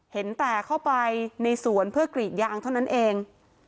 เห็นแต่เข้าไปในสวนเพื่อกรีดยางเท่านั้นเอง